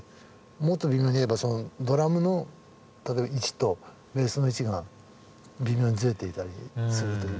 もっと微妙に言えばそのドラムの例えば位置とベースの位置が微妙にズレていたりするという。